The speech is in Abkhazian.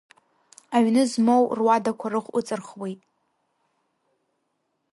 Аҩны змоу руадақәа рыхә ыҵырхуеит.